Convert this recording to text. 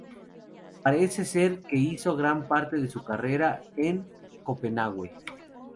Parece ser que hizo gran parte de su carrera en Copenhague.